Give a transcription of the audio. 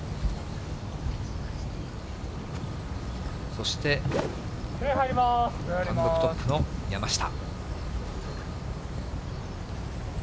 そして、単独トップの山下。